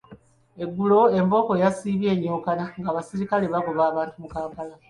Eggulo embooko yasiibye enyooka ng’abasirikale bagoba abantu mu Kampala.